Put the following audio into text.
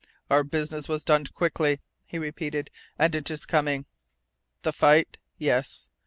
"Our business was done quickly!" he repeated. "And it is coming!" "The fight?" "Yes."